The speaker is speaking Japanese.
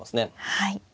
はい。